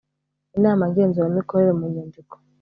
inama ngenzuramikorere mu nyandiko